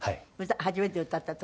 初めて歌った時。